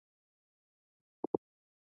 که خلک همکاري وکړي، نو ستونزه به حل شي.